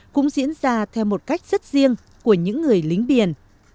cũng diễn ra theo một cách rất riêng của những người lính biển